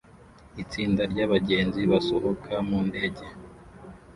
Itsinda ry'abagenzi basohoka mu ndege